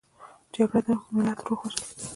جګړه د ملت روح وژني